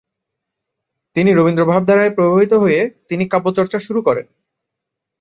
তিনি রবীন্দ্র-ভাবধারায় প্রভাবিত হয়ে তিনি কাব্যচর্চা শুরু করেন।